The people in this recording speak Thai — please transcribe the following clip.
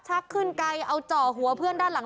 ขึ้นไกลเอาจ่อหัวเพื่อนด้านหลัง